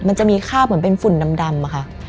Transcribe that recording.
มันจะมีคาบเหมือนเป็นฝุ่นดำอะค่ะ